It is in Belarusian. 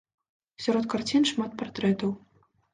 Сярод карцін шмат партрэтаў.